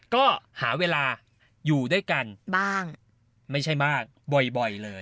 ก็หาเวลาอยู่ด้วยกันบ้างไม่ใช่มากบ่อยเลย